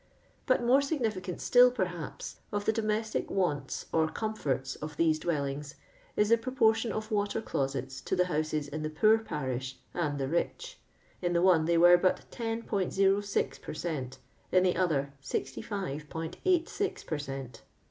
But more significant still, perhaps, of the domestic wants or comforts of these dwellings, is the proportion of water closets to the houses in the poor parish and the rich ; in the one they were but 10*06 per cent; in the other 05*86 p>er cent.